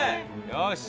よし！